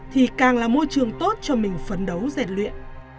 thì càng là môi trường tốt cho mình phấn đấu rèn luyện